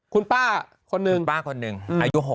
คุณป้าคนหนึ่งป้าคนหนึ่งอายุ๖๐